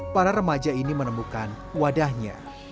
para remaja ini menemukan wadahnya